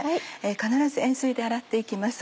必ず塩水で洗って行きます。